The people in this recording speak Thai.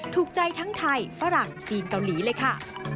ถูกใจทั้งไทยฝรั่งจีนเกาหลีเลยค่ะ